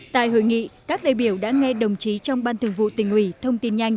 tại hội nghị các đại biểu đã nghe đồng chí trong ban thường vụ tỉnh ủy thông tin nhanh